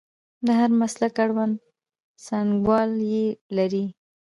د هر مسلک اړوند څانګوال یې لري.